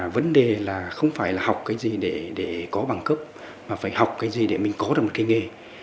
vấn đề là không phải là học cái gì để có bằng cấp mà phải học cái gì để mình có được một cái nghề